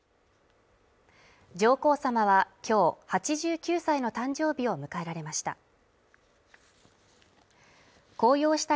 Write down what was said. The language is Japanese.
上皇さまは今日８９歳の誕生日を迎えられました